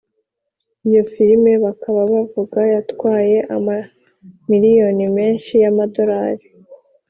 iyo filime bakaba bavuga yatwaye ama miliyoni menshi yama dolari